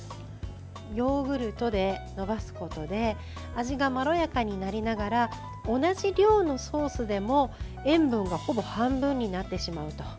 ヨーグルトでのばすことで味がまろやかになりながら同じ量のソースでも塩分がほぼ半分になってしまうと。